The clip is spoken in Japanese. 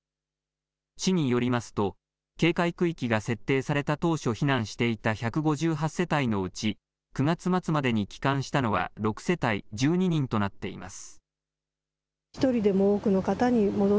市によりますと警戒区域が設定された当初避難していた１５８世帯のうち９月末までに帰還したのは６世帯１２人となっています。